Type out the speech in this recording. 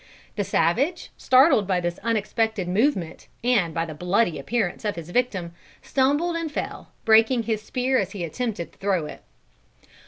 The savage, startled by this unexpected movement and by the bloody appearance of his victim, stumbled and fell, breaking his spear as he attempted to throw it.